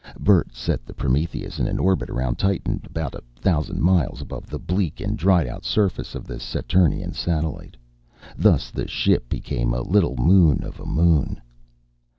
Bert set the Prometheus in an orbit around Titan, about a thousand miles above the bleak and dried out surface of this Saturnian satellite. Thus the ship became a little moon of a moon.